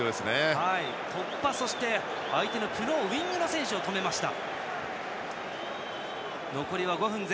突破、そして相手のウイングの選手を止めました。